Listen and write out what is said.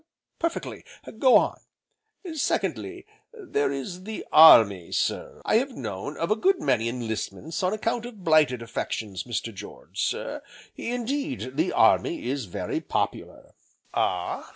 "Perfectly, go on." "Secondly, there is the Army, sir, I have known of a good many enlistments on account of blighted affections, Mr. George, sir; indeed, the Army is very popular." "Ah?"